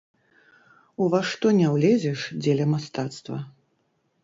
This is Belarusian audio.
Ува што не ўлезеш дзеля мастацтва!